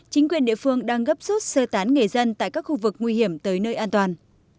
chính quyền địa phương đang gấp rút sơ tán người dân tại các khu vực nguy hiểm tới nơi an toàn